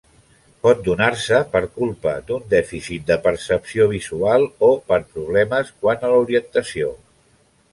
Pot donar-se per culpa d'un dèficit de percepció visual o per problemes quant a l'orientació.